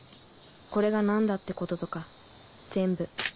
これが何だってこととか全部。